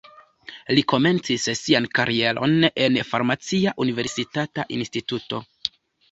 Li komencis sian karieron en farmacia universitata instituto.